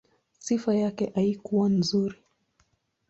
Sifa yake haikuwa nzuri.